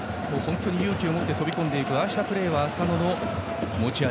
勇気を持って飛び込んでいくああしたプレーは浅野の持ち味